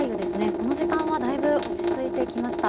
この時間はだいぶ落ち着いてきました。